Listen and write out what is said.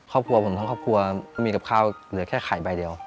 ครอบครัวผมทั้งครอบครัวมีกับข้าวเหลือแค่ไข่ใบเดียว